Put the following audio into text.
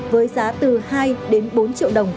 với giá từ hai đến bốn triệu đồng